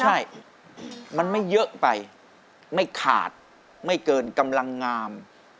ใช่มันไม่เยอะไปไม่ขาดไม่เกินกำลังงาม